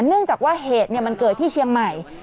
เนื่องจากว่าเหตุมันเกิดที่เชียงใหม่